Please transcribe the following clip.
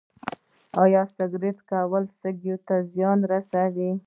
ایا سګرټ څکول سږو ته زیان رسوي